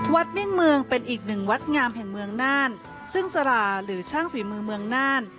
เมี่ยงเมืองเป็นอีกหนึ่งวัดงามแห่งเมืองน่านซึ่งสาราหรือช่างฝีมือเมืองน่าน